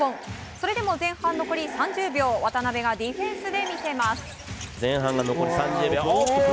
それでも前半残り３０秒渡邊がディフェンスで見せます。